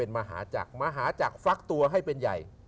มาหาจากฟลักตัวให้เป็นใหญ่